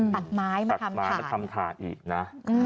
ตัดไม้มาทำถาดตัดไม้มาทำถาดอีกนะ